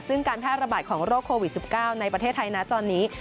ซึ่งการแพร่ระบาดของโรคโควิด๑๙ในประเทศไทยนะตอนนี้